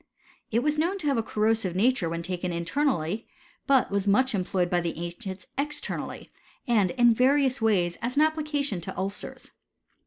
It was known to have a corrosive nature when taken in ternally ; but w^is much employed by the ancients ex ternally, and in various ways as an application to ulcers.